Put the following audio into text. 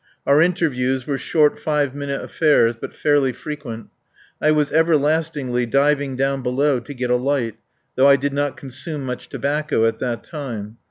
Our interviews were short five minute affairs, but fairly frequent. I was everlastingly diving down below to get a light, though I did not consume much tobacco at that time.